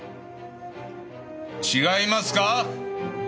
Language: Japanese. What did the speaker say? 違いますか！？